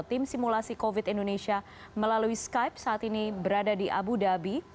tim simulasi covid indonesia melalui skype saat ini berada di abu dhabi